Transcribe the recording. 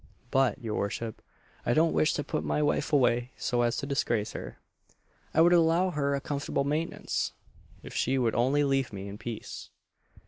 But, your worship, I don't wish to put my wife away so as to disgrace her. I would allow her a comfortable maintenance, if she would only leave me in peace."